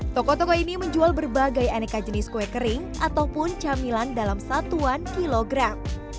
toko toko ini menjual berbagai aneka jenis kue kering ataupun camilan dalam satuan kilogram